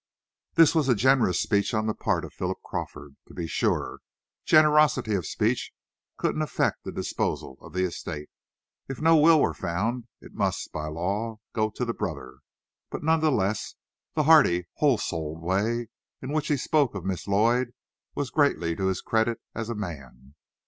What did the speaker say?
This was a generous speech on the part of Philip Crawford. To be sure, generosity of speech couldn't affect the disposal of the estate. If no will were found, it must by law go to the brother, but none the less the hearty, whole souled way in which he spoke of Miss Lloyd was greatly to his credit as a man.